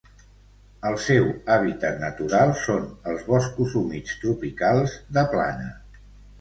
El seu hàbitat natural són els boscos humits tropicals de plana.